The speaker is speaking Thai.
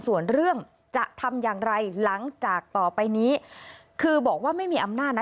ส่วนเรื่องจะทำอย่างไรหลังจากต่อไปนี้คือบอกว่าไม่มีอำนาจนะ